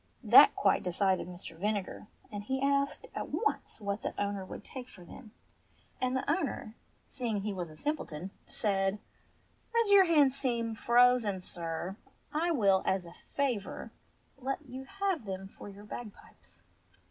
That quite decided Mr. Vinegar, and he asked at once what the owner would take for them ; and the owner, seeing 200 ENGLISH FAIRY TALES he was a simpleton, said, As your hands seem frozen, sir, I will, as a favour, let you have them for your bagpipes."